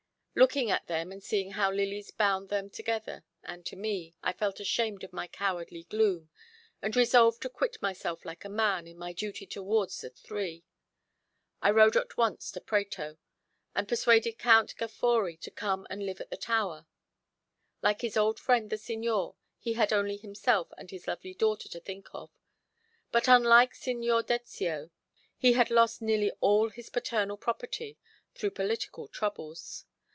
Looking at them and seeing how Lily's bound them together and to me, I felt ashamed of my cowardly gloom, and resolved to quit myself like a man in my duty towards the three. I rode at once to Prato, and persuaded Count Gaffori to come and live at the tower. Like his old friend the Signor, he had only himself and his lovely daughter to think of; but unlike Signor Dezio he had lost nearly all his paternal property, through political troubles.